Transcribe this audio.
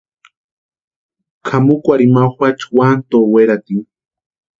Kʼamukwarini ma juachi Uantoo weratini.